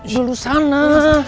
yul lu sana